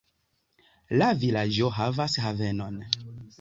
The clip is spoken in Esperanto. La vilaĝo havas havenon.